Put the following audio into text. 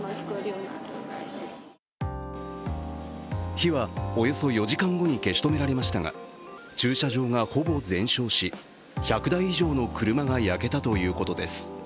火はおよそ４時間後に消し止められましたが駐車場がほぼ全焼し１００台以上の車が焼けたということです。